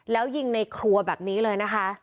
แล้วยิงในครัวแบบนี้เลยนะคะ